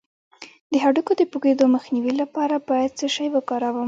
د هډوکو د پوکیدو مخنیوي لپاره باید څه شی وکاروم؟